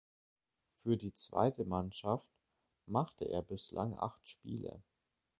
Für die zweite Mannschaft machte er bislang acht Spiele.